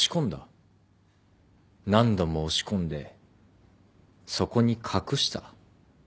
何度も押し込んでそこに隠した。